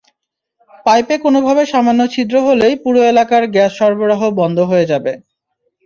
পাইপে কোনোভাবে সামান্য ছিদ্র হলেই পুরো এলাকার গ্যাস সরবরাহ বন্ধ হয়ে যাবে।